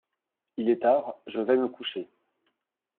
Il est tard, je vais me coucher.